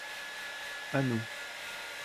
À nous.